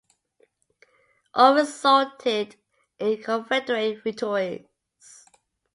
All resulted in Confederate victories.